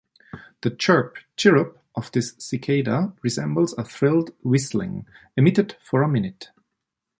The chirp/chirrup of this cicada resembles a trilled whistling, emitted for a minute.